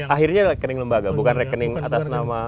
akhirnya rekening lembaga bukan rekening atas nama